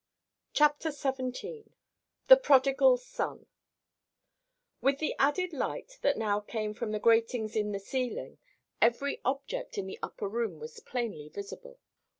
CHAPTER XVII—THE PRODIGAL SON With the added light that now came from the gratings in the ceiling every object in the upper room was plainly visible.